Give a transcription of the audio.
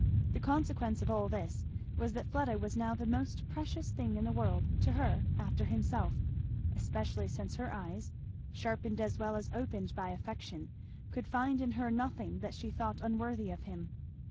The consequence of all this was that Fleda was now the most precious thing in the world to her after himself; especially since her eyes, sharpened as well as opened by affection, could find in her nothing that she thought unworthy of him.